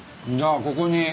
じゃあここに。